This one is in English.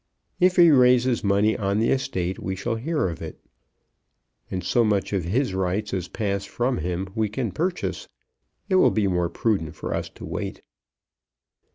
"If he raises money on the estate we shall hear of it. And so much of his rights as pass from him we can purchase. It will be more prudent for us to wait."